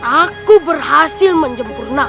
aku dapat menyingkir k ea